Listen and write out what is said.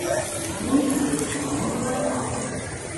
Die Grundfarbe ist braun oder grau.